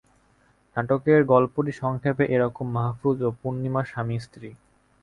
নাটকের গল্পটি সংক্ষেপে এ রকম মাহফুজ ও পূর্ণিমা স্বামী স্ত্রী।